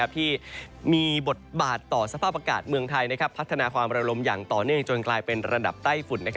ที่มีบทบาทต่อสภาพอากาศเมืองไทยพัฒนาความระลมอย่างต่อเนื่องจนกลายเป็นระดับใต้ฝุ่น